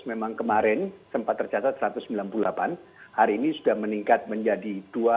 memang kemarin sempat tercatat satu ratus sembilan puluh delapan hari ini sudah meningkat menjadi dua